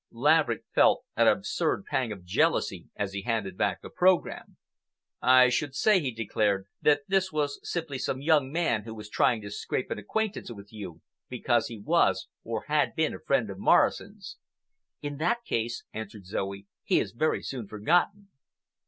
Laverick felt an absurd pang of jealousy as he handed back the programme. "I should say," he declared, "that this was simply some young man who was trying to scrape an acquaintance with you because he was or had been a friend of Morrison's." "In that case," answered Zoe, "he is very soon forgotten."